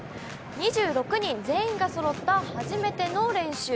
２６人全員がそろった初めての練習。